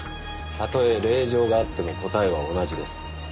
たとえ令状があっても答えは同じです。